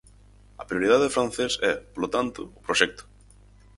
A prioridade do francés é, polo tanto, o proxecto.